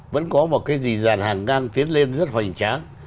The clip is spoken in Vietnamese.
vẫn có một cái gì dàn hàng ngang tiến lên rất hoành tráng